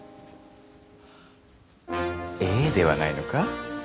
「エー」ではないのか？